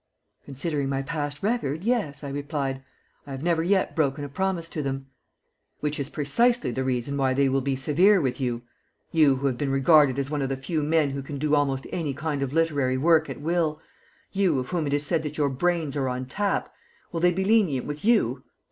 "Considering my past record, yes," I replied. "I have never yet broken a promise to them." "Which is precisely the reason why they will be severe with you. You, who have been regarded as one of the few men who can do almost any kind of literary work at will you, of whom it is said that your 'brains are on tap' will they be lenient with _you?